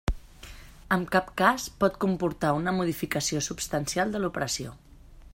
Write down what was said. En cap cas pot comportar una modificació substancial de l'operació.